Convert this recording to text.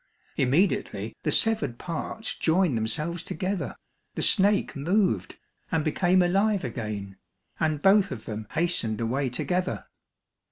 Immediately the severed parts joined themselves together, the snake moved, and became alive again, and both of them hastened away together.